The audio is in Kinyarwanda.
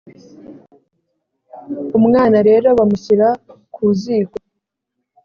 Umwana rero bamushyira ku ziko.